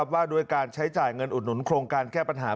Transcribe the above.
ว่าด้วยการใช้จ่ายเงินอุดหนุนโครงการแก้ปัญหา